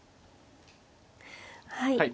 はい。